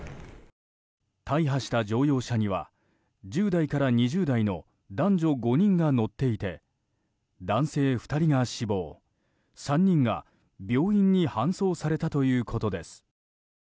大破した乗用車には１０代から２０代の男女５人が乗っていて男性２人が死亡３人が病院に搬送されたということです。